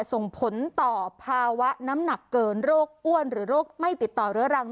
ส่งผลต่อภาวะน้ำหนักเกินโรคอ้วนหรือโรคไม่ติดต่อเรื้อรัง